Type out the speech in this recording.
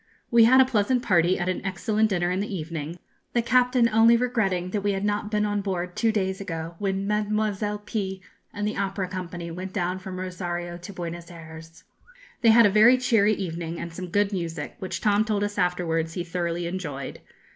We had a pleasant party at an excellent dinner in the evening, the captain only regretting that we had not been on board two days ago, when Mlle. P. and the opera company went down from Rosario to Buenos Ayres. They had a very cheery evening, and some good music, which Tom told us afterwards he thoroughly enjoyed.